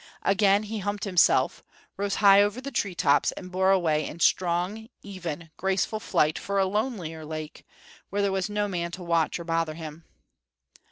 Again he humped himself, rose high over the tree tops and bore away in strong, even, graceful flight for a lonelier lake, where there was no man to watch or bother him.